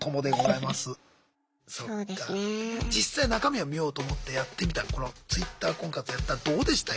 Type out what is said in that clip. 実際中身を見ようと思ってやってみたらこのＴｗｉｔｔｅｒ婚活やったらどうでしたよ？